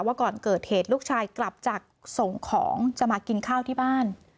ว่าก่อนเกิดเหตุลูกชายกลับจากส่งของจะมากินข้าวที่บ้าน